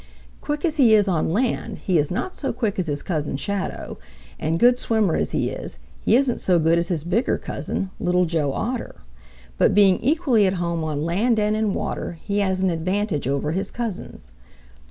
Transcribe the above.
Quick as he is on land, he is not so quick as his Cousin Shadow; and good swimmer as he is, he isn't so good as his bigger cousin, Little Joe Otter. But being equally at home on land and in water, he has an advantage over his cousins.